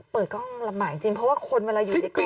เปิดกล้องลำบากจริงเพราะว่าคนเวลาอยู่ดีกว่าที่